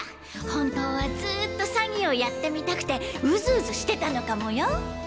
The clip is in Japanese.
本当はずっと詐欺をやってみたくてウズウズしてたのかもよ。